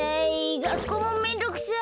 がっこうもめんどくさい！